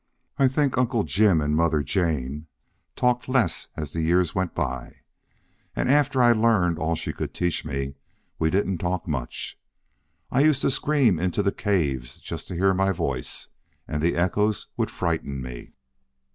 I think Uncle Jim and Mother Jane talked less as the years went by. And after I'd learned all she could teach me we didn't talk much. I used to scream into the caves just to hear my voice, and the echoes would frighten me.